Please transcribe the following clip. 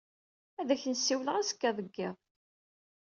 Ad ak-n-siwleɣ azekka deg yiḍ.